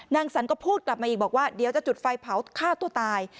สันก็พูดกลับมาอีกบอกว่าเดี๋ยวจะจุดไฟเผาฆ่าตัวตาย